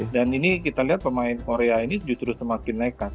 dan ini kita lihat pemain korea ini justru semakin nekat